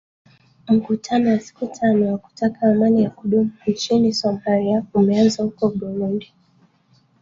mkutano wa siku tano wakutaka amani ya kudumu nchini somalia umeanza huko burudi